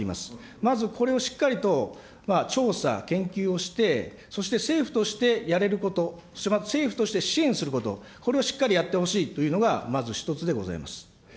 まずこれをしっかりと調査研究をして、そして政府としてやれること、政府として支援すること、これをしっかりやってほしいというのがまず１つでございます。